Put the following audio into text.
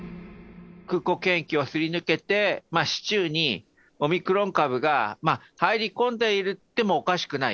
空港検疫をすり抜けて、市中にオミクロン株が入り込んでいてもおかしくない。